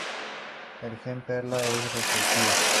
El gen perla es recesivo.